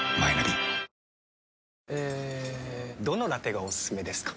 どのラテがおすすめですか？